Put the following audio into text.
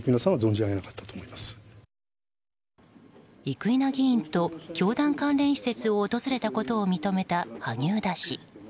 生稲議員と教団関連施設を訪れたことを認めた萩生田氏。